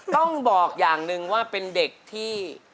ต้องบอกอย่างหนึ่งว่าเป็นเด็กที่